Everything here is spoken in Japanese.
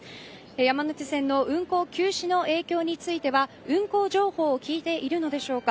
山手線の運行休止の影響については運行情報を聞いているのでしょうか。